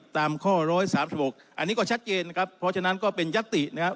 ตามข้อ๑๓๖อันนี้ก็ชัดเจนนะครับเพราะฉะนั้นก็เป็นยัตตินะครับ